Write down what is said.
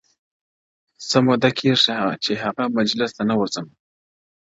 ښه موده کيږي چي هغه مجلس ته نه ورځمه،